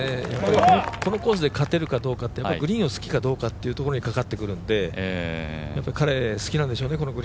このコースで勝てるかどうかってグリーンが好きかどうかってところにかかってくるんで、彼、このグリーンが好きなんでしょうね。